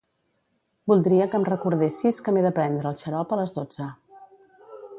Voldria que em recordessis que m'he de prendre el xarop a les dotze.